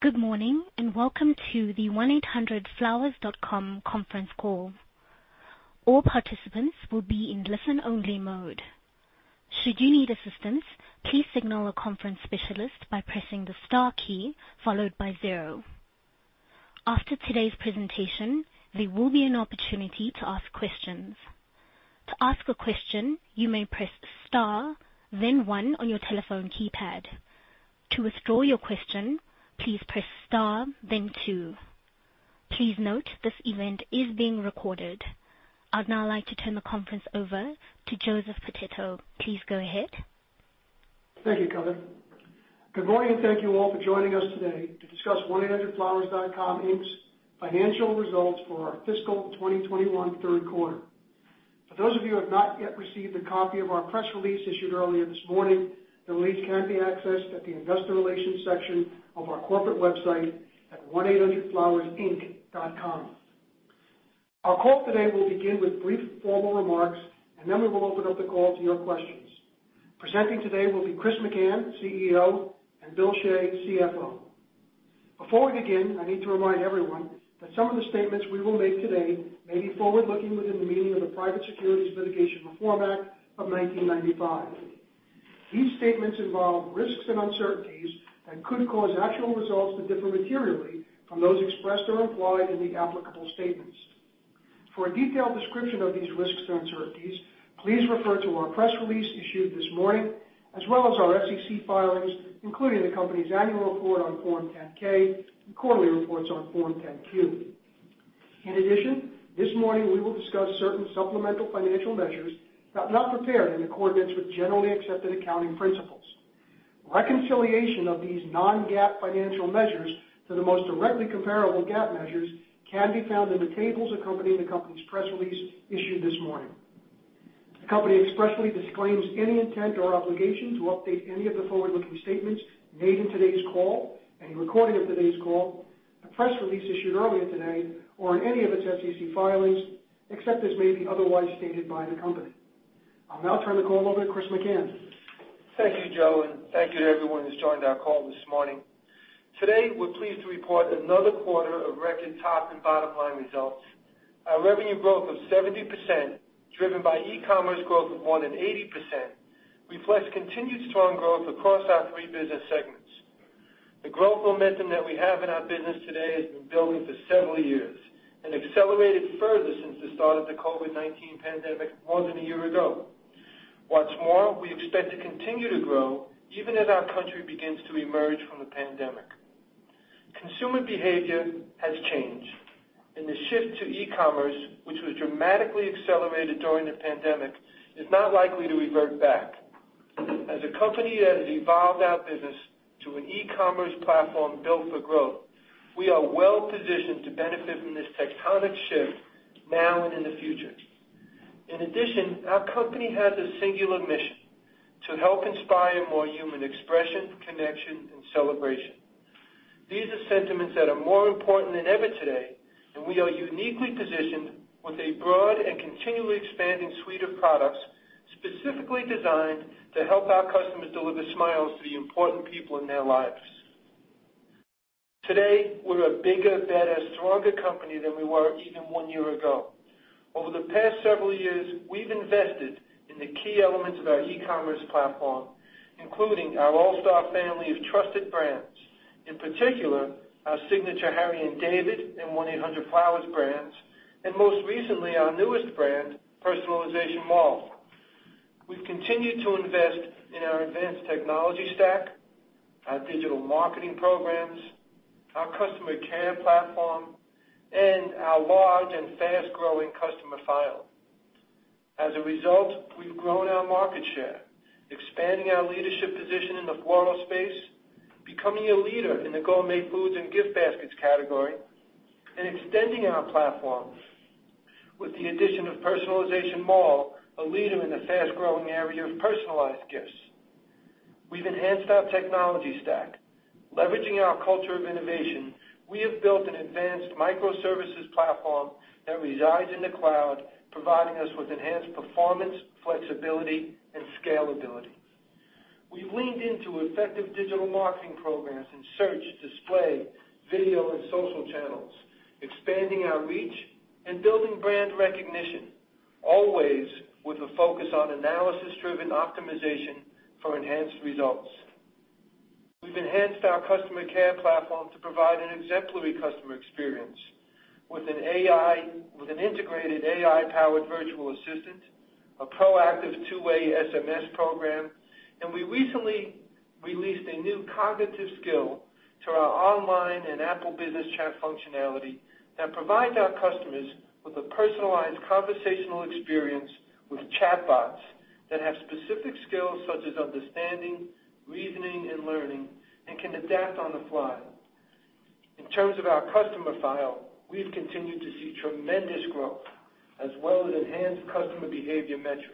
Good morning, and welcome to the 1-800-FLOWERS.COM conference call. All participants will be in listen-only mode. Should you need assistance, please signal a conference specialist by pressing the star key, followed by zero. After today's presentation, there will be an opportunity to ask questions. To ask a question, you may press star, then one on your telephone keypad. To withdraw your question, please press star, then two. Please note this event is being recorded. I'd now like to turn the conference over to Joseph Pititto. Please go ahead. Thank you, Kelly. Good morning, and thank you all for joining us today to discuss 1-800-FLOWERS.COM, Inc.'s financial results for our fiscal 2021 third quarter. For those of you who have not yet received a copy of our press release issued earlier this morning, the release can be accessed at the investor relations section of our corporate website at 1800flowersinc.com. Our call today will begin with brief formal remarks, and then we will open up the call to your questions. Presenting today will be Chris McCann, CEO, and Bill Shea, CFO. Before we begin, I need to remind everyone that some of the statements we will make today may be forward-looking within the meaning of the Private Securities Litigation Reform Act of 1995. These statements involve risks and uncertainties that could cause actual results to differ materially from those expressed or implied in the applicable statements. For a detailed description of these risks and uncertainties, please refer to our press release issued this morning, as well as our SEC filings, including the company's annual report on Form 10-K and quarterly reports on Form 10-Q. In addition, this morning, we will discuss certain supplemental financial measures not prepared in accordance with generally accepted accounting principles. Reconciliation of these non-GAAP financial measures to the most directly comparable GAAP measures can be found in the tables accompanying the company's press release issued this morning. The company expressly disclaims any intent or obligation to update any of the forward-looking statements made in today's call, any recording of today's call, the press release issued earlier today, or in any of its SEC filings, except as may be otherwise stated by the company. I'll now turn the call over to Chris McCann. Thank you, Joseph, and thank you to everyone who's joined our call this morning. Today, we're pleased to report another quarter of record top and bottom-line results. Our revenue growth of 70%, driven by e-commerce growth of more than 80%, reflects continued strong growth across our three business segments. The growth momentum that we have in our business today has been building for several years and accelerated further since the start of the COVID-19 pandemic more than a year ago. What's more, we expect to continue to grow even as our country begins to emerge from the pandemic. Consumer behavior has changed, and the shift to e-commerce, which was dramatically accelerated during the pandemic, is not likely to revert back. As a company that has evolved our business to an e-commerce platform built for growth, we are well-positioned to benefit from this tectonic shift now and in the future. In addition, our company has a singular mission: to help inspire more human expression, connection, and celebration. These are sentiments that are more important than ever today, and we are uniquely positioned with a broad and continually expanding suite of products specifically designed to help our customers deliver smiles to the important people in their lives. Today, we're a bigger, better, stronger company than we were even one year ago. Over the past several years, we've invested in the key elements of our e-commerce platform, including our all-star family of trusted brands, in particular, our signature Harry & David and 1-800-Flowers.com brands, and most recently, our newest brand, PersonalizationMall.com. We've continued to invest in our advanced technology stack, our digital marketing programs, our customer care platform, and our large and fast-growing customer file. We've grown our market share, expanding our leadership position in the floral space, becoming a leader in the Gourmet Food and Gift Baskets category, and extending our platform with the addition of PersonalizationMall, a leader in the fast-growing area of personalized gifts. We've enhanced our technology stack. Leveraging our culture of innovation, we have built an advanced microservices platform that resides in the cloud, providing us with enhanced performance, flexibility, and scalability. We've leaned into effective digital marketing programs in search, display, video, and social channels, expanding our reach and building brand recognition, always with a focus on analysis-driven optimization for enhanced results. We've enhanced our customer care platform to provide an exemplary customer experience with an integrated AI-powered virtual assistant, a proactive two-way SMS program, and we recently released a new cognitive skill to our online and Apple Business Chat functionality that provides our customers with a personalized conversational experience with chatbots that have specific skills such as understanding, reasoning, and learning, and can adapt on the fly. In terms of our customer file, we've continued to see tremendous growth, as well as enhanced customer behavior metrics.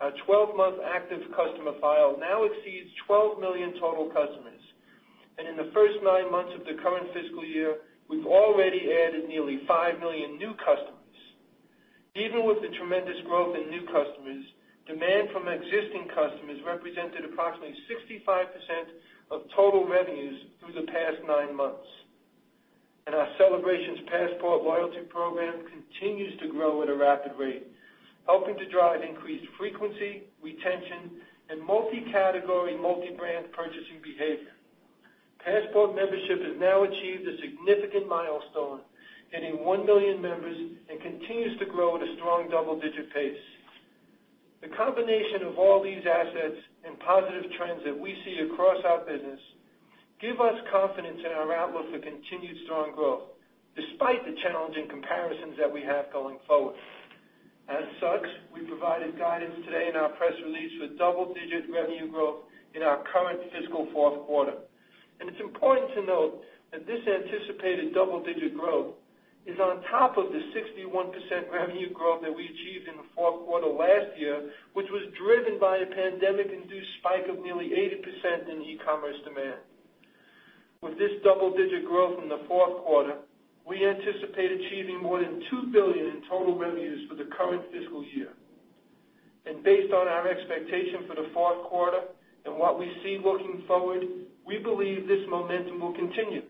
Our 12-month active customer file now exceeds 12 million total customers, and in the first nine months of the current fiscal year, we've already added nearly five million new customers. Even with the tremendous growth in new customers, demand from existing customers represented approximately 65% of total revenues through the past nine months. Our Celebrations Passport loyalty program continues to grow at a rapid rate, helping to drive increased frequency, retention, and multi-category, multi-brand purchasing behavior. Passport membership has now achieved a significant milestone, hitting 1 million members and continues to grow at a strong double-digit pace. The combination of all these assets and positive trends that we see across our business give us confidence in our outlook for continued strong growth, despite the challenging comparisons that we have going forward. As such, we provided guidance today in our press release for double-digit revenue growth in our current fiscal fourth quarter. It's important to note that this anticipated double-digit growth is on top of the 61% revenue growth that we achieved in the fourth quarter last year, which was driven by a pandemic-induced spike of nearly 80% in e-commerce demand. With this double-digit growth in the fourth quarter, we anticipate achieving more than $2 billion in total revenues for the current fiscal year. Based on our expectation for the fourth quarter and what we see looking forward, we believe this momentum will continue,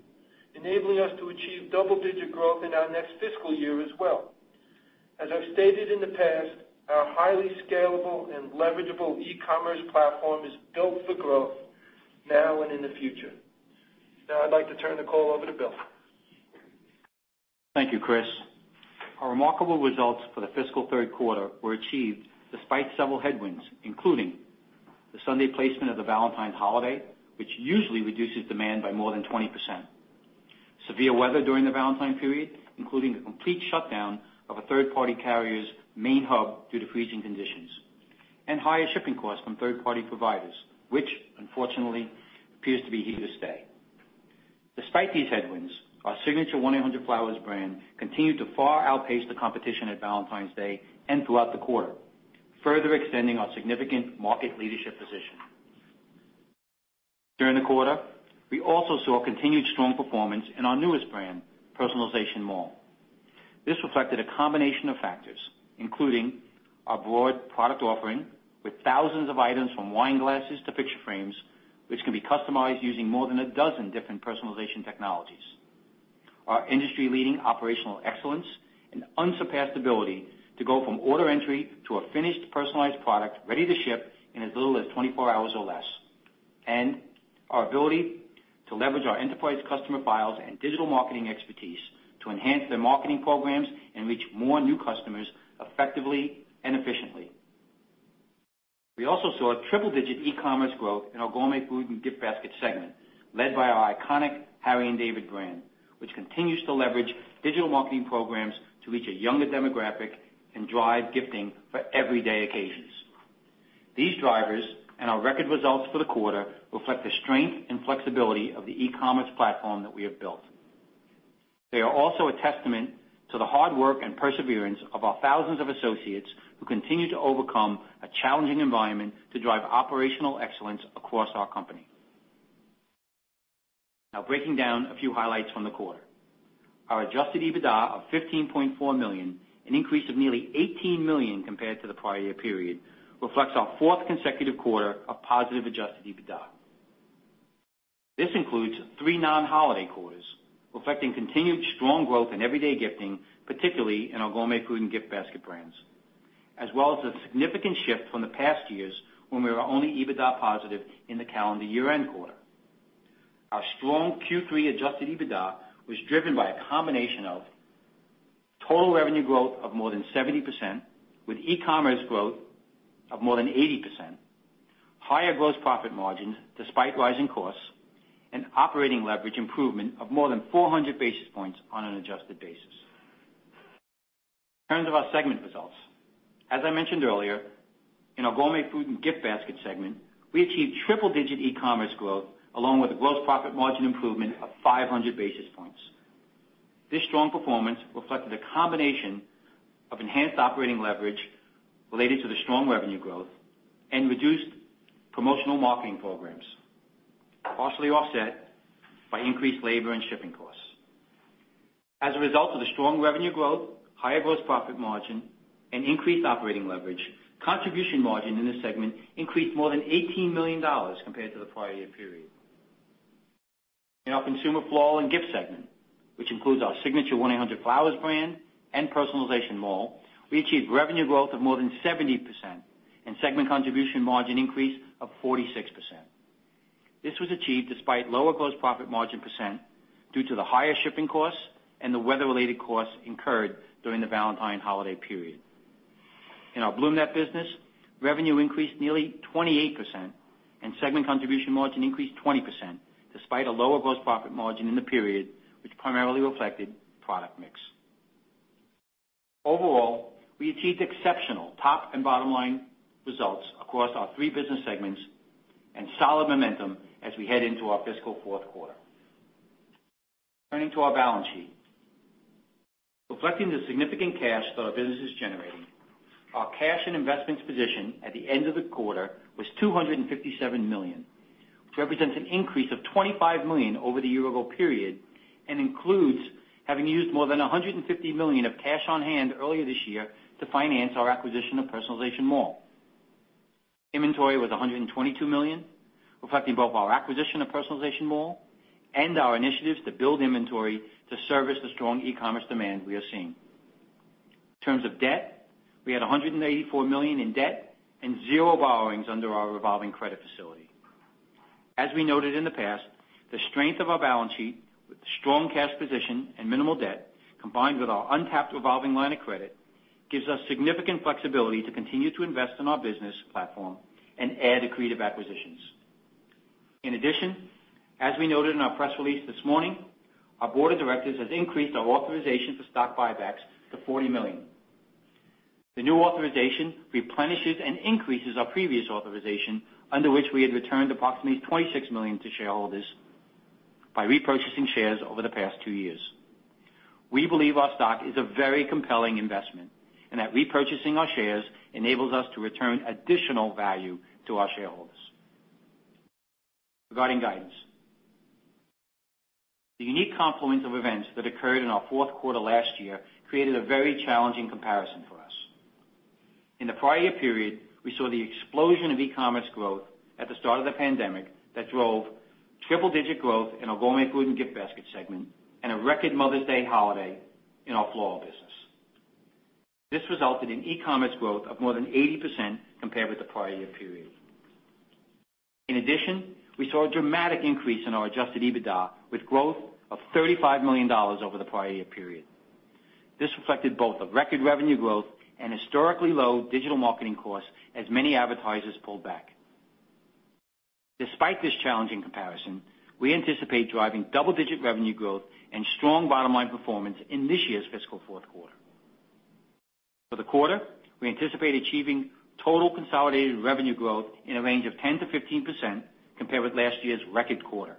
enabling us to achieve double-digit growth in our next fiscal year as well. As I've stated in the past, our highly scalable and leverageable e-commerce platform is built for growth now and in the future. I'd like to turn the call over to Bill. Thank you, Chris. Our remarkable results for the fiscal third quarter were achieved despite several headwinds, including the Sunday placement of the Valentine's holiday, which usually reduces demand by more than 20%. Severe weather during the Valentine period, including the complete shutdown of a third-party carrier's main hub due to freezing conditions, and higher shipping costs from third-party providers, which unfortunately appears to be here to stay. Despite these headwinds, our signature 1-800-Flowers brand continued to far outpace the competition at Valentine's Day and throughout the quarter, further extending our significant market leadership position. During the quarter, we also saw continued strong performance in our newest brand, PersonalizationMall. This reflected a combination of factors, including our broad product offering with thousands of items from wine glasses to picture frames, which can be customized using more than a dozen different personalization technologies. Our industry-leading operational excellence and unsurpassed ability to go from order entry to a finished personalized product ready to ship in as little as 24 hours or less. Our ability to leverage our enterprise customer files and digital marketing expertise to enhance their marketing programs and reach more new customers effectively and efficiently. We also saw triple-digit e-commerce growth in our Gourmet Food and Gift Baskets segment, led by our iconic Harry & David brand, which continues to leverage digital marketing programs to reach a younger demographic and drive gifting for everyday occasions. These drivers and our record results for the quarter reflect the strength and flexibility of the e-commerce platform that we have built. They are also a testament to the hard work and perseverance of our thousands of associates who continue to overcome a challenging environment to drive operational excellence across our company. Now breaking down a few highlights from the quarter. Our adjusted EBITDA of $15.4 million, an increase of nearly $18 million compared to the prior year period, reflects our fourth consecutive quarter of positive adjusted EBITDA. This includes three non-holiday quarters, reflecting continued strong growth in everyday gifting, particularly in our Gourmet Food and Gift Baskets, as well as a significant shift from the past years when we were only EBITDA positive in the calendar year-end quarter. Our strong Q3 adjusted EBITDA was driven by a combination of total revenue growth of more than 70%, with e-commerce growth of more than 80%, higher gross profit margins despite rising costs, and operating leverage improvement of more than 400 basis points on an adjusted basis. In terms of our segment results, as I mentioned earlier, in our Gourmet Food and Gift Baskets segment, we achieved triple-digit e-commerce growth along with a gross profit margin improvement of 500 basis points. This strong performance reflected a combination of enhanced operating leverage related to the strong revenue growth and reduced promotional marketing programs, partially offset by increased labor and shipping costs. As a result of the strong revenue growth, higher gross profit margin, and increased operating leverage, contribution margin in this segment increased more than $18 million compared to the prior year period. In our Consumer Floral and Gifts segment, which includes our signature 1-800-Flowers brand and PersonalizationMall, we achieved revenue growth of more than 70% and segment contribution margin increase of 46%. This was achieved despite lower gross profit margin % due to the higher shipping costs and the weather-related costs incurred during the Valentine's Day holiday period. In our BloomNet business, revenue increased nearly 28%, and segment contribution margin increased 20%, despite a lower gross profit margin in the period, which primarily reflected product mix. Overall, we achieved exceptional top and bottom-line results across our three business segments and solid momentum as we head into our fiscal fourth quarter. Turning to our balance sheet. Reflecting the significant cash that our businesses generated, our cash and investments position at the end of the quarter was $257 million, which represents an increase of $25 million over the year-ago period and includes having used more than $150 million of cash on hand earlier this year to finance our acquisition of PersonalizationMall. Inventory was $122 million, reflecting both our acquisition of PersonalizationMall and our initiatives to build inventory to service the strong e-commerce demand we are seeing. In terms of debt, we had $184 million in debt and zero borrowings under our revolving credit facility. As we noted in the past, the strength of our balance sheet with the strong cash position and minimal debt, combined with our untapped revolving line of credit, gives us significant flexibility to continue to invest in our business platform and add accretive acquisitions. In addition, as we noted in our press release this morning, our board of directors has increased our authorization for stock buybacks to $40 million. The new authorization replenishes and increases our previous authorization, under which we had returned approximately $26 million to shareholders by repurchasing shares over the past two years. We believe our stock is a very compelling investment and that repurchasing our shares enables us to return additional value to our shareholders. Regarding guidance, the unique confluence of events that occurred in our fourth quarter last year created a very challenging comparison for us. In the prior year period, we saw the explosion of e-commerce growth at the start of the pandemic that drove triple-digit growth in our Gourmet Food and Gift Baskets segment and a record Mother's Day holiday in our floral business. This resulted in e-commerce growth of more than 80% compared with the prior year period. In addition, we saw a dramatic increase in our adjusted EBITDA with growth of $35 million over the prior year period. This reflected both a record revenue growth and historically low digital marketing costs as many advertisers pulled back. Despite this challenging comparison, we anticipate driving double-digit revenue growth and strong bottom-line performance in this year's fiscal fourth quarter. For the quarter, we anticipate achieving total consolidated revenue growth in a range of 10%-15% compared with last year's record quarter.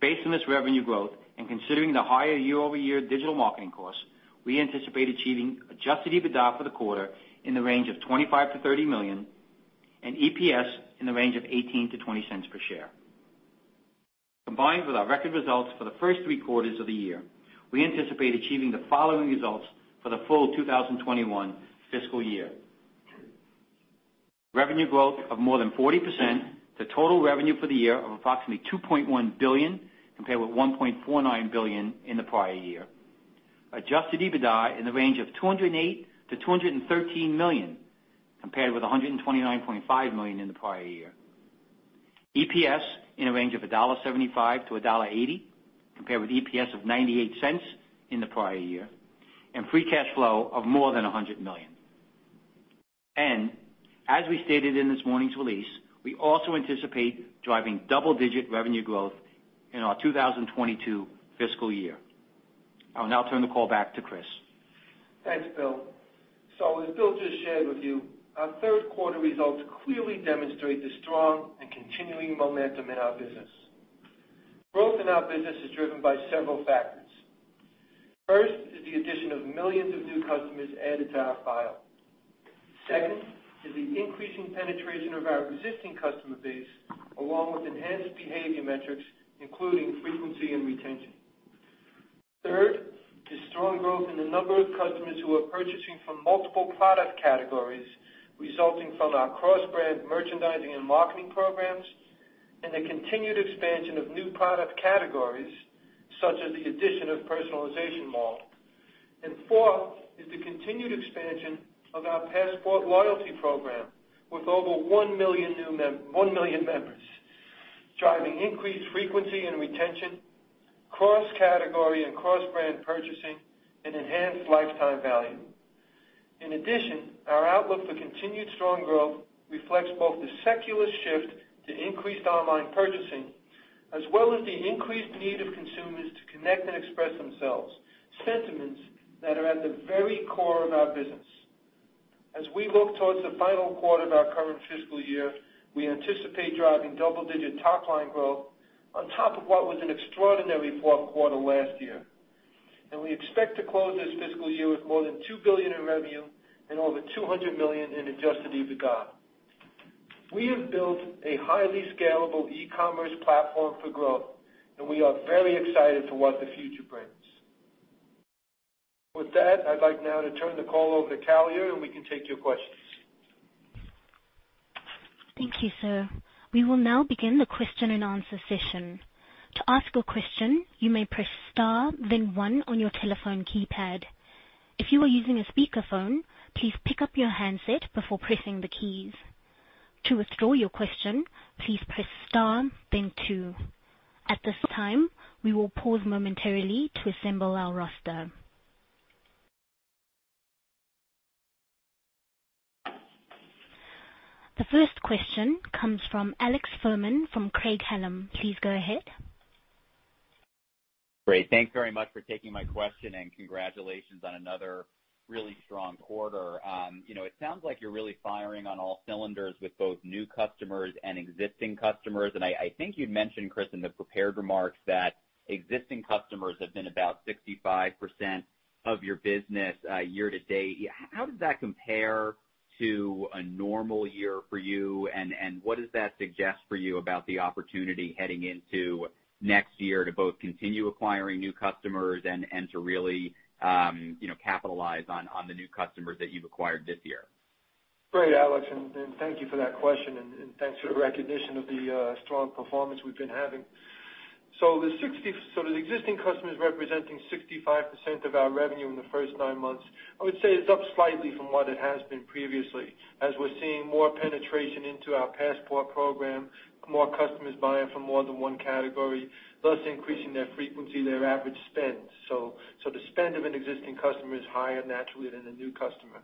Based on this revenue growth and considering the higher year-over-year digital marketing costs, we anticipate achieving adjusted EBITDA for the quarter in the range of $25 million-$30 million and EPS in the range of $0.18-$0.20 per share. Combined with our record results for the first three quarters of the year, we anticipate achieving the following results for the full 2021 fiscal year. Revenue growth of more than 40% to total revenue for the year of approximately $2.1 billion, compared with $1.49 billion in the prior year. Adjusted EBITDA in the range of $208 million-$213 million, compared with $129.5 million in the prior year. EPS in a range of $1.75-$1.80, compared with EPS of $0.98 in the prior year, and free cash flow of more than $100 million. As we stated in this morning's release, we also anticipate driving double-digit revenue growth in our 2022 fiscal year. I will now turn the call back to Chris. Thanks, Bill. As Bill just shared with you, our third quarter results clearly demonstrate the strong and continuing momentum in our business. Growth in our business is driven by several factors. First is the addition of millions of new customers added to our file. Second is the increasing penetration of our existing customer base, along with enhanced behavior metrics, including frequency and retention. Third is strong growth in the number of customers who are purchasing from multiple product categories, resulting from our cross-brand merchandising and marketing programs and the continued expansion of new product categories, such as the addition of PersonalizationMall. Fourth is the continued expansion of our Celebrations Passport program with over 1 million members, driving increased frequency and retention, cross-category and cross-brand purchasing, and enhanced lifetime value. In addition, our outlook for continued strong growth reflects both the secular shift to increased online purchasing, as well as the increased need of consumers to connect and express themselves, sentiments that are at the very core of our business. As we look towards the final quarter of our current fiscal year, we anticipate driving double-digit top-line growth on top of what was an extraordinary fourth quarter last year. We expect to close this fiscal year with more than $2 billion in revenue and over $200 million in adjusted EBITDA. We have built a highly scalable e-commerce platform for growth, and we are very excited for what the future brings. With that, I'd like now to turn the call over to Callia, and we can take your questions. Thank you, sir. We will now begin the question and answer session. To ask a question, you may press star then one on your telephone keypad. If you are using a speakerphone, please pick up your handset before pressing the keys. To withdraw your question, please press star then two. At this time, we will pause momentarily to assemble our roster. The first question comes from Alex Fuhrman from Craig-Hallum. Please go ahead. Great. Thanks very much for taking my question. Congratulations on another really strong quarter. It sounds like you're really firing on all cylinders with both new customers and existing customers. I think you'd mentioned, Chris, in the prepared remarks that existing customers have been about 65% of your business year to date. How does that compare to a normal year for you? What does that suggest for you about the opportunity heading into next year to both continue acquiring new customers and to really capitalize on the new customers that you've acquired this year? Great, Alex, and thank you for that question, and thanks for the recognition of the strong performance we've been having. The existing customers representing 65% of our revenue in the first nine months, I would say is up slightly from what it has been previously, as we're seeing more penetration into our Celebrations Passport program, more customers buying from more than one category, thus increasing their frequency, their average spend. The spend of an existing customer is higher naturally than a new customer.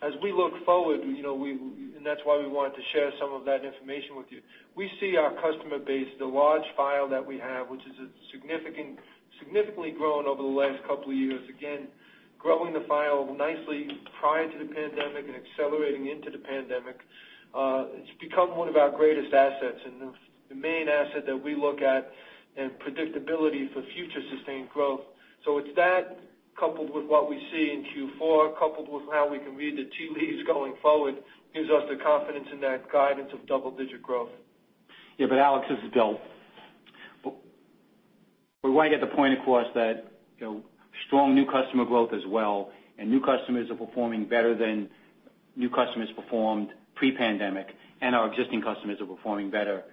As we look forward, and that's why we wanted to share some of that information with you, we see our customer base, the large file that we have, which has significantly grown over the last couple of years. Again, growing the file nicely prior to the pandemic and accelerating into the pandemic. It's become one of our greatest assets and the main asset that we look at in predictability for future sustained growth. It's that coupled with what we see in Q4, coupled with how we can read the tea leaves going forward, gives us the confidence in that guidance of double-digit growth. Alex, this is Bill. We want to get the point across that strong new customer growth as well, and new customers are performing better than new customers performed pre-pandemic, and our existing customers are performing better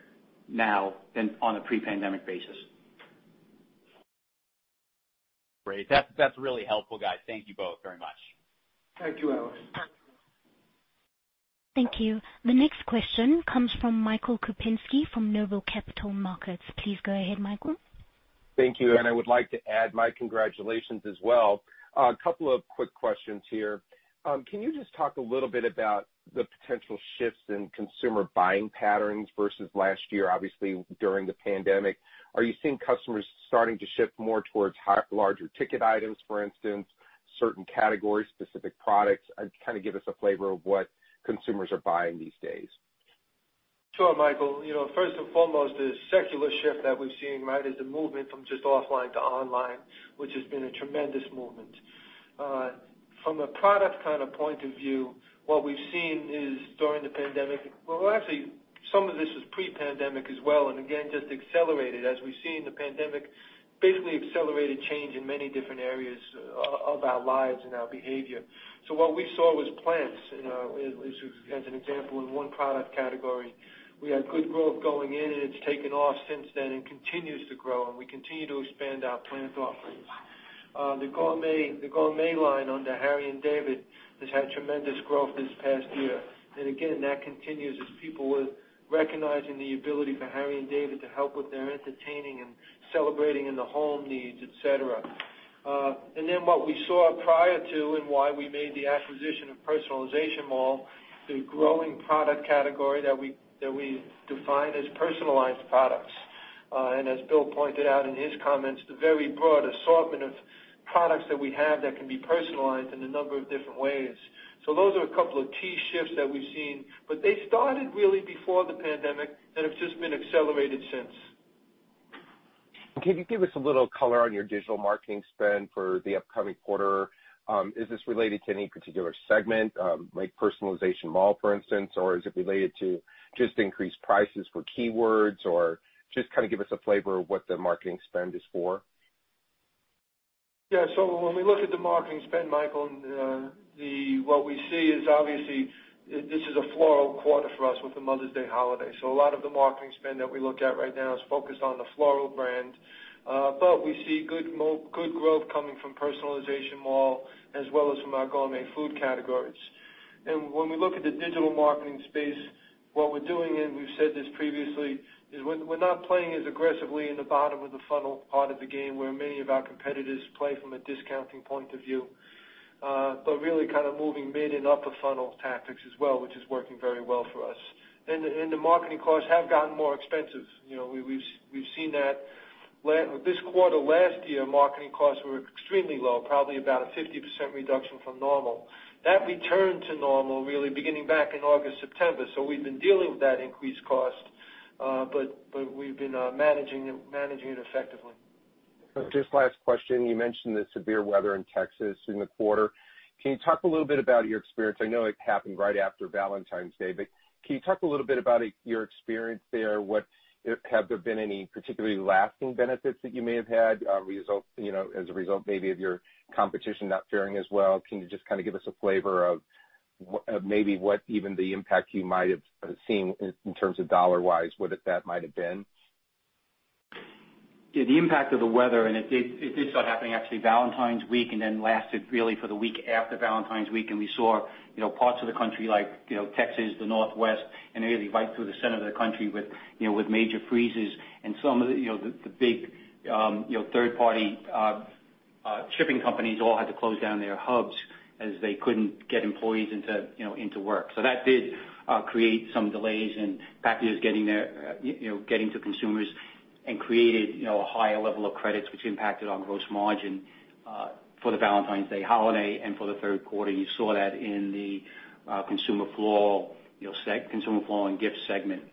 now than on a pre-pandemic basis. Great. That's really helpful, guys. Thank you both very much. Thank you, Alex. Thank you. The next question comes from Michael Kupinski from Noble Capital Markets. Please go ahead, Michael. Thank you. I would like to add my congratulations as well. A couple of quick questions here. Can you just talk a little bit about the potential shifts in consumer buying patterns versus last year, obviously during the pandemic? Are you seeing customers starting to shift more towards larger ticket items, for instance, certain categories, specific products? Kind of give us a flavor of what consumers are buying these days. Sure, Michael. First and foremost, the secular shift that we've seen is the movement from just offline to online, which has been a tremendous movement. From a product point of view, what we've seen is during the pandemic. Well, actually, some of this is pre-pandemic as well, again, just accelerated as we've seen the pandemic basically accelerated change in many different areas of our lives and our behavior. What we saw was plants, as an example, in one product category. We had good growth going in, and it's taken off since then and continues to grow, and we continue to expand our plant offerings. The gourmet line under Harry & David has had tremendous growth this past year. Again, that continues as people were recognizing the ability for Harry & David to help with their entertaining and celebrating in the home needs, et cetera. What we saw prior to and why we made the acquisition of PersonalizationMall, the growing product category that we define as personalized products. As Bill pointed out in his comments, the very broad assortment of products that we have that can be personalized in a number of different ways. Those are a couple of key shifts that we've seen, but they started really before the pandemic, and have just been accelerated since. Can you give us a little color on your digital marketing spend for the upcoming quarter? Is this related to any particular segment, like PersonalizationMall, for instance, or is it related to just increased prices for keywords, or just kind of give us a flavor of what the marketing spend is for? Yeah. When we look at the marketing spend, Michael, what we see is obviously this is a floral quarter for us with the Mother's Day holiday. We see good growth coming from PersonalizationMall as well as from our gourmet food categories. When we look at the digital marketing space, what we're doing, and we've said this previously, is we're not playing as aggressively in the bottom of the funnel part of the game where many of our competitors play from a discounting point of view. Really kind of moving mid and upper funnel tactics as well, which is working very well for us. The marketing costs have gotten more expensive. We've seen that this quarter last year, marketing costs were extremely low, probably about a 50% reduction from normal. That returned to normal, really beginning back in August, September. We've been dealing with that increased cost, but we've been managing it effectively. Just last question. You mentioned the severe weather in Texas in the quarter. Can you talk a little bit about your experience? I know it happened right after Valentine's Day. Can you talk a little bit about your experience there? Have there been any particularly lasting benefits that you may have had as a result maybe of your competition not faring as well? Can you just kind of give us a flavor of maybe what even the impact you might have seen in terms of dollar-wise, what that might have been? Yeah, the impact of the weather, and it did start happening actually Valentine's week and then lasted really for the week after Valentine's week, and we saw parts of the country like Texas, the Northwest, and really right through the center of the country with major freezes and some of the big third-party shipping companies all had to close down their hubs as they couldn't get employees into work. That did create some delays in packages getting to consumers and created a higher level of credits which impacted our gross margin for the Valentine's Day holiday and for the third quarter. You saw that in the Consumer Floral and Gifts segment.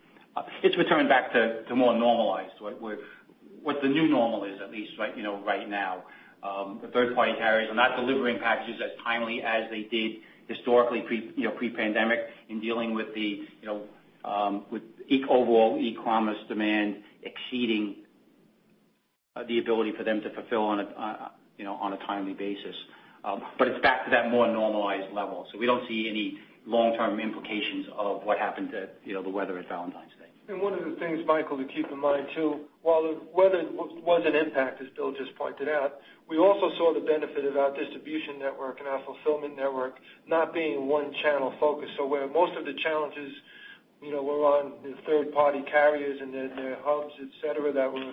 It's returned back to more normalized, what the new normal is, at least right now. The third-party carriers are not delivering packages as timely as they did historically pre-pandemic in dealing with overall e-commerce demand exceeding the ability for them to fulfill on a timely basis. It's back to that more normalized level. We don't see any long-term implications of what happened at the weather at Valentine's Day. One of the things, Michael, to keep in mind too, while the weather was an impact, as Bill just pointed out, we also saw the benefit of our distribution network and our fulfillment network not being one channel-focused. Where most of the challenges were on the third-party carriers and their hubs, et cetera, that were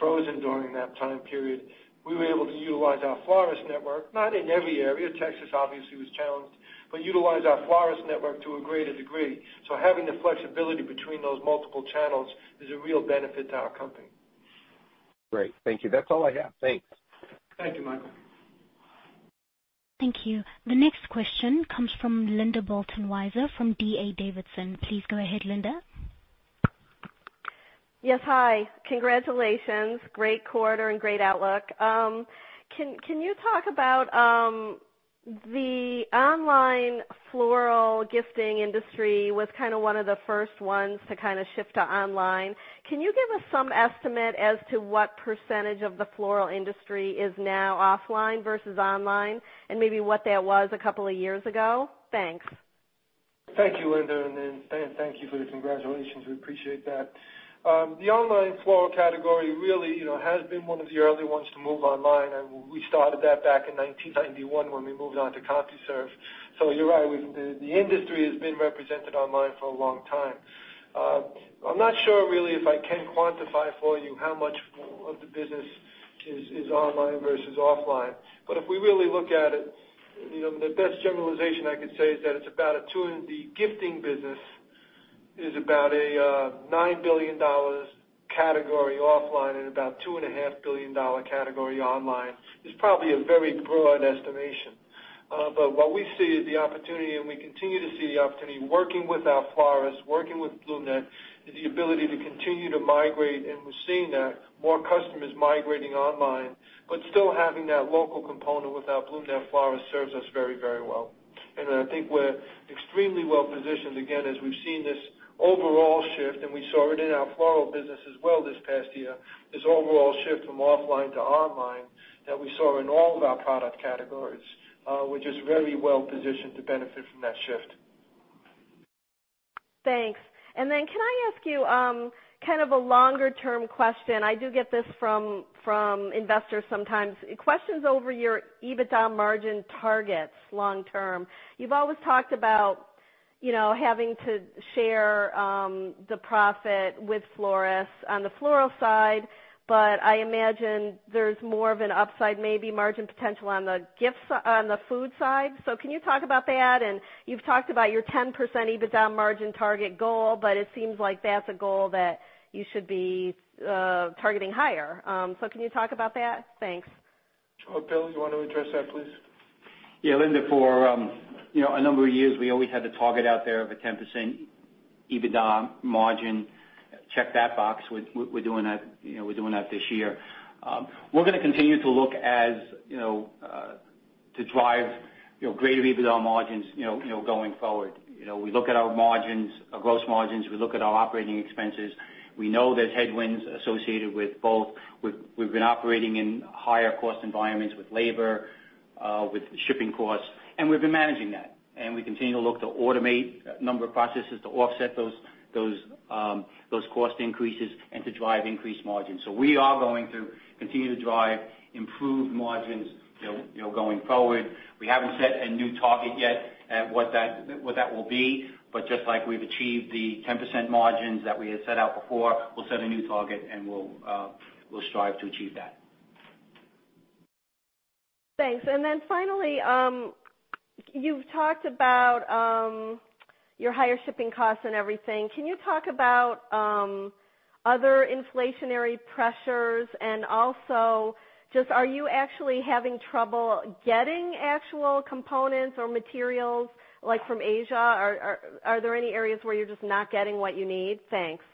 frozen during that time period, we were able to utilize our florist network. Not in every area, Texas obviously was challenged, but utilize our florist network to a greater degree. Having the flexibility between those multiple channels is a real benefit to our company. Great. Thank you. That's all I have. Thanks. Thank you, Michael. Thank you. The next question comes from Linda Bolton Weiser, from D.A. Davidson. Please go ahead, Linda. Yes. Hi. Congratulations. Great quarter and great outlook. Can you talk about the online floral gifting industry was one of the first ones to shift to online. Can you give us some estimate as to what percentage of the floral industry is now offline versus online, and maybe what that was a couple of years ago? Thanks. Thank you, Linda. Thank you for the congratulations, we appreciate that. The online floral category really has been one of the early ones to move online. We started that back in 1991 when we moved on to CompuServe. You're right, the industry has been represented online for a long time. I'm not sure really if I can quantify for you how much of the business is online versus offline. If we really look at it, the best generalization I could say is that the gifting business is about a $9 billion category offline and about $2.5 billion category online. It's probably a very broad estimation. What we see is the opportunity, and we continue to see the opportunity working with our florists, working with BloomNet, is the ability to continue to migrate, and we're seeing that, more customers migrating online, but still having that local component with our BloomNet florist serves us very well. I think we're extremely well-positioned, again, as we've seen this overall shift, and we saw it in our floral business as well this past year, this overall shift from offline to online that we saw in all of our product categories, which is very well-positioned to benefit from that shift. Thanks. Can I ask you a longer-term question? I do get this from investors sometimes. Questions over your EBITDA margin targets long term. You've always talked about having to share the profit with florists on the floral side, but I imagine there's more of an upside, maybe margin potential on the food side. Can you talk about that? You've talked about your 10% EBITDA margin target goal, but it seems like that's a goal that you should be targeting higher. Can you talk about that? Thanks. Bill, you want to address that, please? Linda, for a number of years, we always had the target out there of a 10% EBITDA margin. Check that box. We're doing that this year. We're going to continue to look to drive greater EBITDA margins going forward. We look at our margins, our gross margins, we look at our operating expenses. We know there's headwinds associated with both. We've been operating in higher cost environments with labor, with shipping costs, we've been managing that. We continue to look to automate a number of processes to offset those cost increases and to drive increased margins. We are going to continue to drive improved margins going forward. We haven't set a new target yet at what that will be, just like we've achieved the 10% margins that we had set out before, we'll set a new target, we'll strive to achieve that. Thanks. Finally, you've talked about your higher shipping costs and everything. Can you talk about other inflationary pressures, and also, just are you actually having trouble getting actual components or materials from Asia? Are there any areas where you're just not getting what you need? Thanks.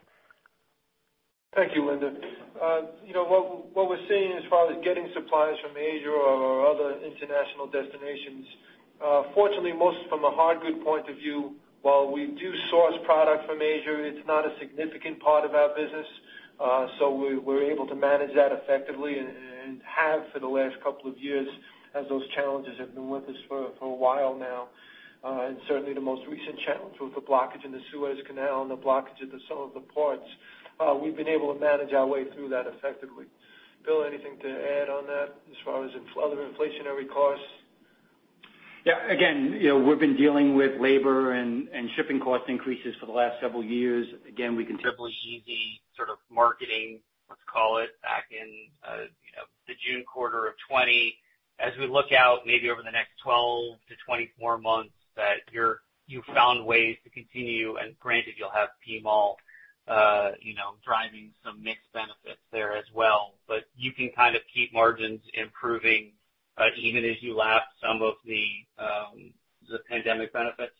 Thank you, Linda. What we're seeing as far as getting supplies from Asia or other international destinations, fortunately, most from a hard good point of view, while we do source product from Asia, it's not a significant part of our business. We're able to manage that effectively and have for the last couple of years as those challenges have been with us for a while now. Certainly the most recent challenge with the blockage in the Suez Canal and the blockage at some of the ports, we've been able to manage our way through that effectively. Bill, anything to add on that as far as other inflationary costs? Yeah, again, we've been dealing with labor and shipping cost increases for the last several years. Easy sort of marketing, let's call it, back in the June quarter of 2020. As we look out maybe over the next 12 to 24 months, that you found ways to continue, and granted, you'll have PMall driving some mixed benefits there as well, but you can kind of keep margins improving even as you lap some of the pandemic benefits?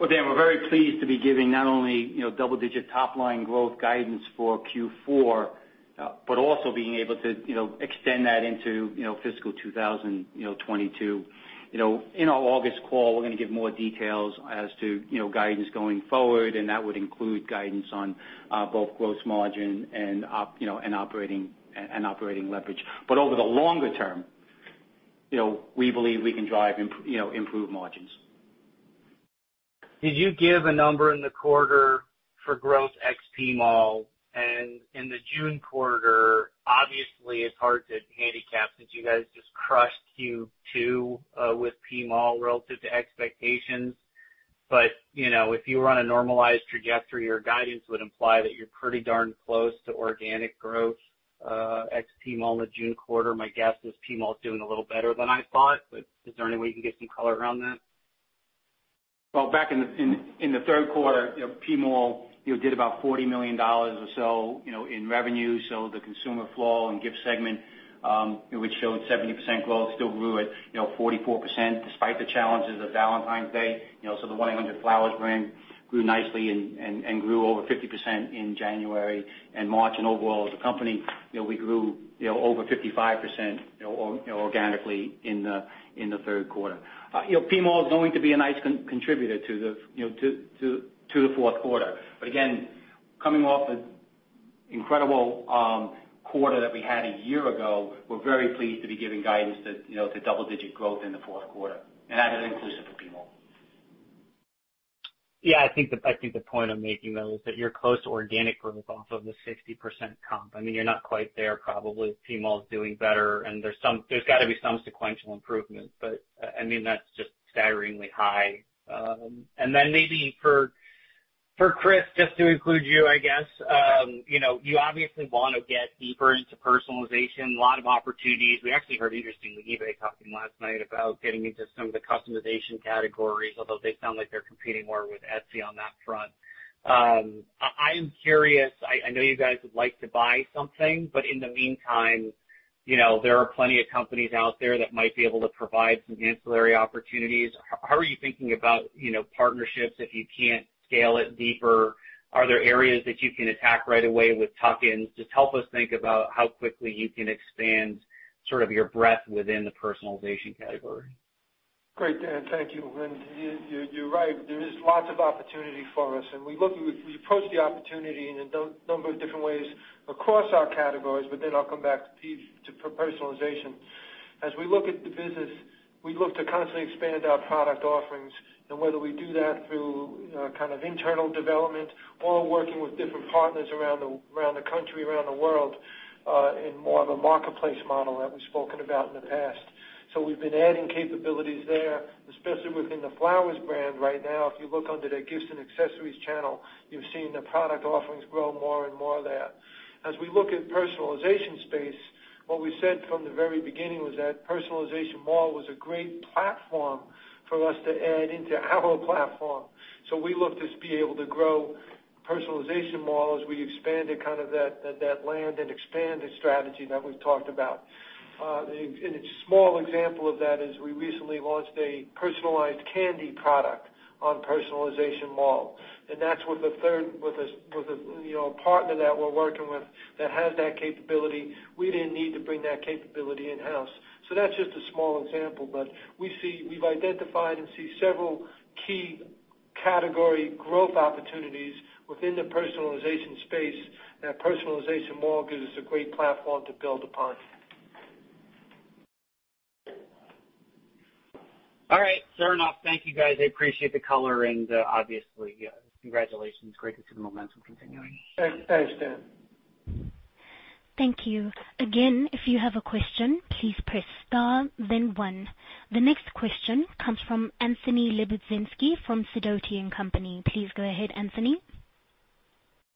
Well, Dan, we're very pleased to be giving not only double-digit top-line growth guidance for Q4, but also being able to extend that into fiscal 2022. In our August call, we're going to give more details as to guidance going forward, and that would include guidance on both gross margin and operating leverage. Over the longer term, we believe we can drive improved margins. Did you give a number in the quarter for growth ex-PMall? In the June quarter, obviously, it's hard to handicap since you guys just crushed Q2 with PMall relative to expectations. If you run a normalized trajectory, your guidance would imply that you're pretty darn close to organic growth ex-PMall in the June quarter. My guess is PMall's doing a little better than I thought, but is there any way you can get some color around that? Well, back in the third quarter, PMall did about $40 million or so in revenue. The Consumer Floral and Gifts segment, which showed 70% growth, still grew at 44% despite the challenges of Valentine's Day. The 1-800-Flowers.com brand grew nicely and grew over 50% in January and March. Overall, as a company, we grew over 55% organically in the third quarter. PMall is going to be a nice contributor to the fourth quarter. Again, coming off an incredible quarter that we had a year ago, we're very pleased to be giving guidance to double-digit growth in the fourth quarter, and that is inclusive of PMall. Yeah, I think the point I'm making, though, is that you're close to organic growth off of the 60% comp. You're not quite there. Probably PMall's doing better, and there's got to be some sequential improvement, but that's just staggeringly high. Then maybe for Chris, just to include you, I guess. You obviously want to get deeper into personalization. A lot of opportunities. We actually heard, interestingly, eBay talking last night about getting into some of the customization categories, although they sound like they're competing more with Etsy on that front. I am curious, I know you guys would like to buy something, but in the meantime, there are plenty of companies out there that might be able to provide some ancillary opportunities. How are you thinking about partnerships if you can't scale it deeper? Are there areas that you can attack right away with tuck-ins? Just help us think about how quickly you can expand sort of your breadth within the personalization category. Great, Dan. Thank you. You're right. There is lots of opportunity for us, and we approach the opportunity in a number of different ways across our categories, but then I'll come back to personalization. As we look at the business, we look to constantly expand our product offerings and whether we do that through kind of internal development or working with different partners around the country, around the world, in more of a marketplace model that we've spoken about in the past. We've been adding capabilities there, especially within the Flowers brand right now. If you look under their gifts and accessories channel, you've seen the product offerings grow more and more there. As we look at personalization space, what we said from the very beginning was that PersonalizationMall was a great platform for us to add into our platform. We look to be able to grow PersonalizationMall as we expand to kind of that land and expand the strategy that we've talked about. A small example of that is we recently launched a personalized candy product on PersonalizationMall, and that's with a partner that we're working with that has that capability. We didn't need to bring that capability in-house. That's just a small example, but we've identified and see several key category growth opportunities within the personalization space. That PersonalizationMall gives us a great platform to build upon. All right, fair enough. Thank you, guys. I appreciate the color and obviously, congratulations. Great to see the momentum continuing. Thanks, Dan. Thank you. Again, if you have a question, please press star, then one. The next question comes from Anthony Lebiedzinski from Sidoti & Company. Please go ahead, Anthony.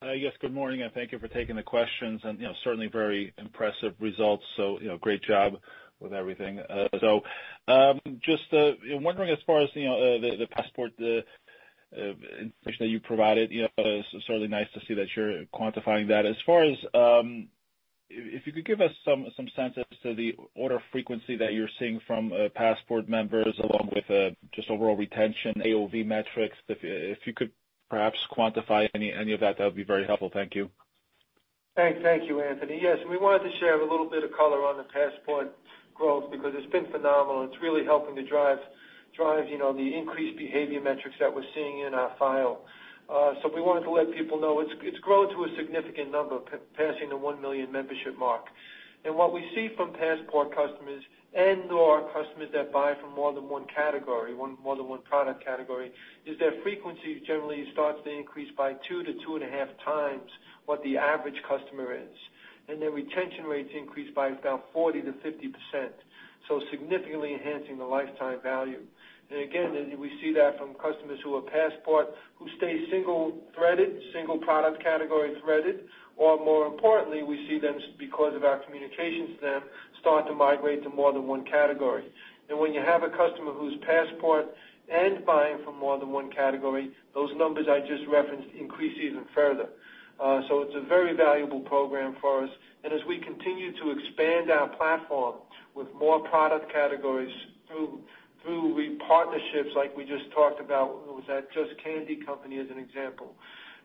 Yes, good morning, and thank you for taking the questions and certainly very impressive results. Great job with everything. Just wondering as far as the Passport information that you provided, it's certainly nice to see that you're quantifying that. If you could give us some sense as to the order frequency that you're seeing from Passport members along with just overall retention, AOV metrics. If you could perhaps quantify any of that would be very helpful. Thank you. Thank you, Anthony. Yes, we wanted to share a little bit of color on the Passport growth because it's been phenomenal. It's really helping to drive the increased behavior metrics that we're seeing in our file. We wanted to let people know it's grown to a significant number, passing the 1 million membership mark. What we see from Passport customers and/or customers that buy from more than one category, more than one product category, is their frequency generally starts to increase by 2-2.5x what the average customer is. Their retention rates increase by about 40%-50%. Significantly enhancing the lifetime value. Again, we see that from customers who are Passport, who stay single-threaded, single product category threaded, or more importantly, we see them, because of our communications to them, start to migrate to more than one category. When you have a customer who's Passport and buying from more than one category, those numbers I just referenced increase even further. It's a very valuable program for us. As we continue to expand our platform with more product categories through partnerships like we just talked about, with that Just Candy company as an example,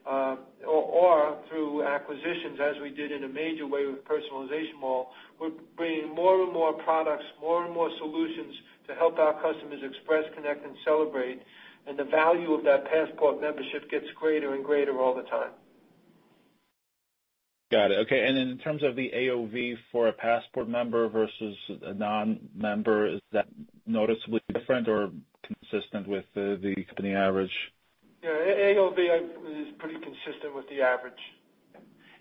or through acquisitions, as we did in a major way with PersonalizationMall. We're bringing more and more products, more and more solutions to help our customers express, connect, and celebrate, and the value of that Passport membership gets greater and greater all the time. Got it. Okay. In terms of the AOV for a Passport member versus a non-member, is that noticeably different or consistent with the company average? Yeah. AOV is pretty consistent with the average.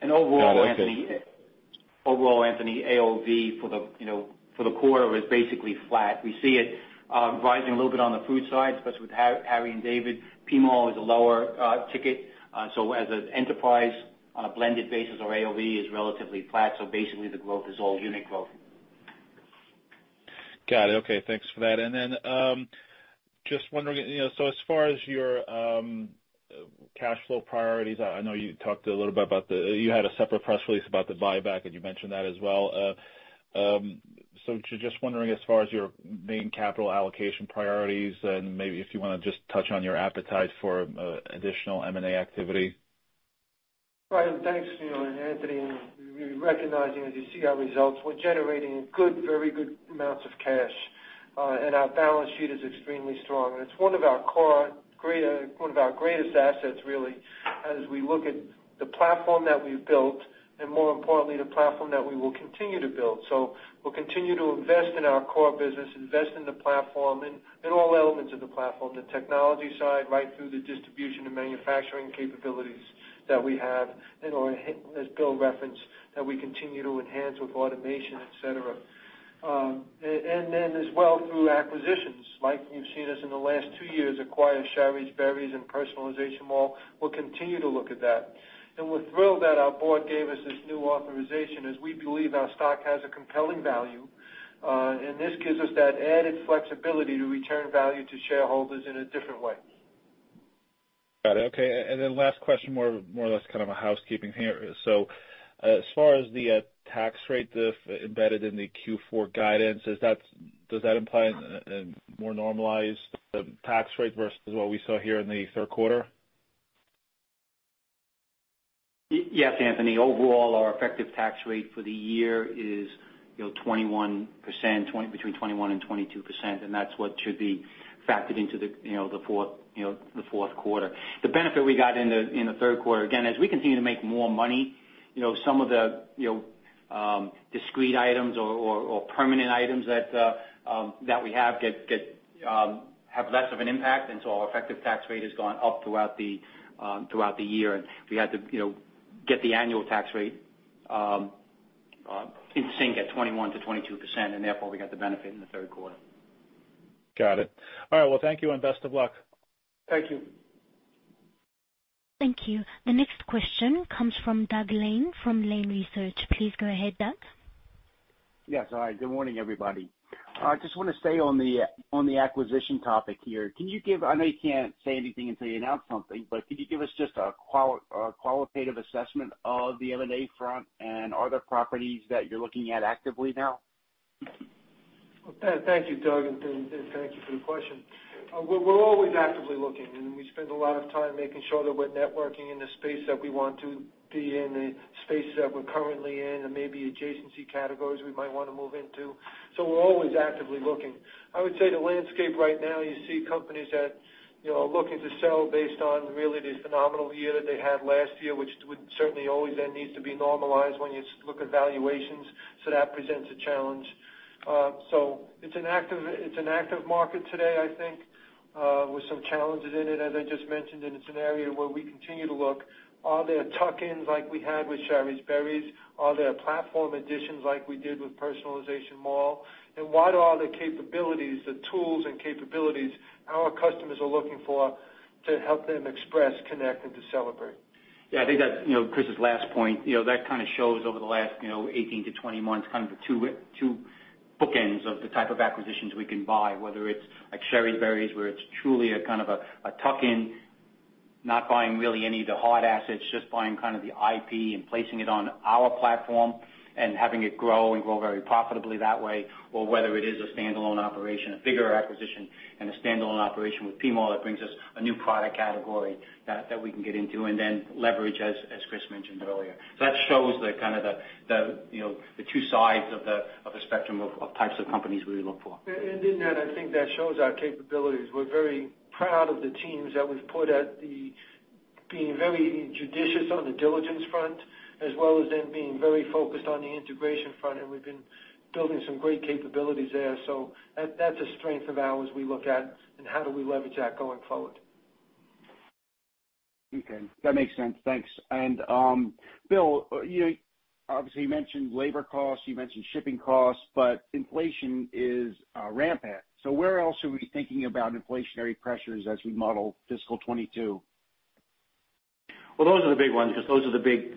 Got it. Okay. Overall, Anthony, AOV for the quarter was basically flat. We see it rising a little bit on the food side, especially with Harry & David. PMall is a lower ticket. As an enterprise on a blended basis, our AOV is relatively flat, so basically the growth is all unit growth. Got it. Okay, thanks for that. Just wondering, as far as your cash flow priorities, I know you talked a little bit about. You had a separate press release about the buyback, and you mentioned that as well. Just wondering, as far as your main capital allocation priorities, and maybe if you want to just touch on your appetite for additional M&A activity. Right. Thanks, Anthony. We recognize, as you see our results, we're generating very good amounts of cash, and our balance sheet is extremely strong. It's one of our greatest assets, really, as we look at the platform that we've built, and more importantly, the platform that we will continue to build. We'll continue to invest in our core business, invest in the platform, in all elements of the platform, the technology side, right through the distribution and manufacturing capabilities that we have and as Bill referenced, that we continue to enhance with automation, et cetera. Then as well through acquisitions, like you've seen us in the last two years acquire Shari's Berries and PersonalizationMall. We'll continue to look at that. We're thrilled that our board gave us this new authorization as we believe our stock has a compelling value, and this gives us that added flexibility to return value to shareholders in a different way. Got it. Okay. Last question, more or less kind of a housekeeping here. As far as the tax rate embedded in the Q4 guidance, does that imply a more normalized tax rate versus what we saw here in the third quarter? Yes, Anthony. Overall, our effective tax rate for the year is between 21% and 22%, and that's what should be factored into the fourth quarter. The benefit we got in the third quarter, again, as we continue to make more money, some of the discrete items or permanent items that we have have less of an impact, and so our effective tax rate has gone up throughout the year. We had to get the annual tax rate in sync at 21%-22%, and therefore, we got the benefit in the third quarter. Got it. All right. Thank you and best of luck. Thank you. Thank you. The next question comes from Doug Lane from Lane Research. Please go ahead, Doug. Yes. All right. Good morning, everybody. I just want to stay on the acquisition topic here. I know you can't say anything until you announce something, but could you give us just a qualitative assessment of the M&A front and are there properties that you're looking at actively now? Thank you, Doug, and thank you for the question. We're always actively looking, and we spend a lot of time making sure that we're networking in the space that we want to be in, the space that we're currently in, and maybe adjacency categories we might want to move into. We're always actively looking. I would say the landscape right now, you see companies that are looking to sell based on really the phenomenal year that they had last year, which would certainly always then need to be normalized when you look at valuations. That presents a challenge. It's an active market today, I think, with some challenges in it, as I just mentioned, and it's an area where we continue to look. Are there tuck-ins like we had with Shari's Berries? Are there platform additions like we did with PersonalizationMall? What are the capabilities, the tools and capabilities our customers are looking for to help them express, connect, and to celebrate? I think that, Chris's last point, that kind of shows over the last 120 months, kind of the two bookends of the type of acquisitions we can buy, whether it's like Shari's Berries, where it's truly a kind of a tuck-in, not buying really any of the hard assets, just buying kind of the IP and placing it on our platform and having it grow and grow very profitably that way, or whether it is a standalone operation, a bigger acquisition and a standalone operation with PMall that brings us a new product category that we can get into and then leverage, as Chris mentioned earlier. That shows the two sides of the spectrum of types of companies we look for. In that, I think that shows our capabilities. We're very proud of the teams that we've put at being very judicious on the diligence front, as well as them being very focused on the integration front, and we've been building some great capabilities there. That's a strength of ours we look at and how do we leverage that going forward. Okay. That makes sense. Thanks. Bill, obviously you mentioned labor costs, you mentioned shipping costs, but inflation is rampant. Where else are we thinking about inflationary pressures as we model fiscal 2022? Well, those are the big ones because those are the big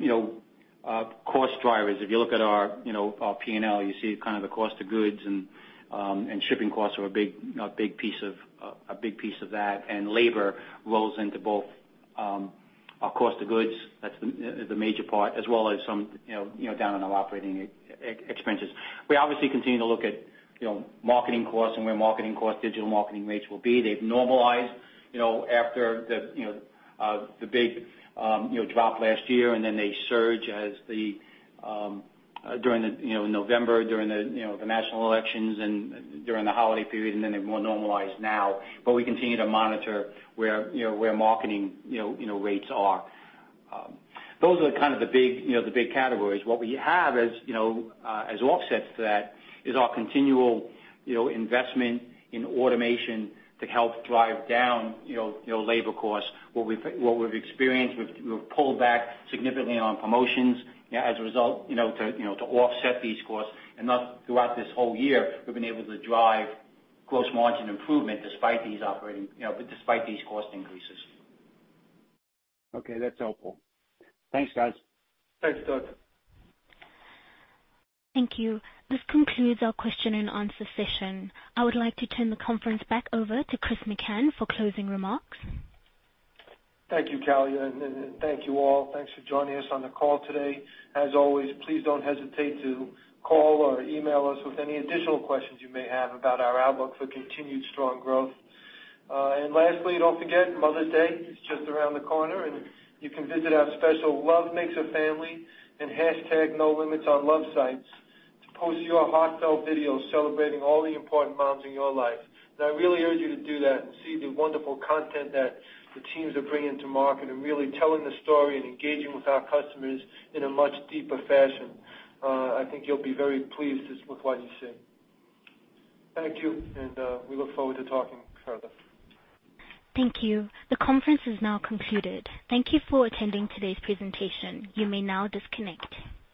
cost drivers. If you look at our P&L, you see kind of the cost of goods and shipping costs are a big piece of that, and labor rolls into both. Our cost of goods, that's the major part, as well as some down on our operating expenses. We obviously continue to look at marketing costs and where marketing costs, digital marketing rates will be. They've normalized after the big drop last year, and then they surge during November, during the national elections, and during the holiday period, and then they've more normalized now. We continue to monitor where marketing rates are. Those are kind of the big categories. What we have as offsets to that is our continual investment in automation to help drive down labor costs. What we've experienced, we've pulled back significantly on promotions as a result to offset these costs. Thus, throughout this whole year, we've been able to drive gross margin improvement despite these cost increases. Okay, that's helpful. Thanks, guys. Thanks, Doug. Thank you. This concludes our question and answer session. I would like to turn the conference back over to Chris McCann for closing remarks. Thank you, Callia, and thank you all. Thanks for joining us on the call today. As always, please don't hesitate to call or email us with any additional questions you may have about our outlook for continued strong growth. Lastly, don't forget, Mother's Day is just around the corner, and you can visit our special Love Makes a Family and #NoLimitsOnLove sites to post your heartfelt video celebrating all the important moms in your life. I really urge you to do that and see the wonderful content that the teams are bringing to market and really telling the story and engaging with our customers in a much deeper fashion. I think you'll be very pleased with what you see. Thank you. We look forward to talking further. Thank you. The conference is now concluded. Thank you for attending today's presentation. You may now disconnect.